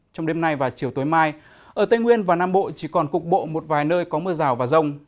trong đêm nay và chiều tối mai ở tây nguyên và nam bộ chỉ còn cục bộ một vài nơi có mưa rào và rông